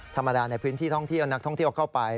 ธรรมดาในพื้นที่ท่องเที่ยวนักท่องเที่ยวเข้าไป